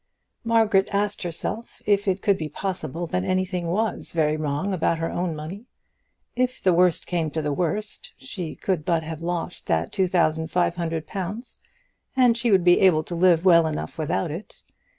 Margaret asked herself if it could be possible that anything was very wrong about her own money. If the worst came to the worst she could but have lost that two thousand five hundred pounds and she would be able to live well enough without it.